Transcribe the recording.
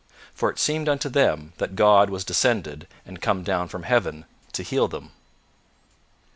For it seemed unto them that God was descended and come down from heaven to heal them.